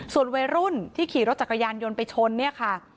ส่วนวัยรุ่นที่ขี่รถจักรยานยนต์ไปชนเนี่ยค่ะ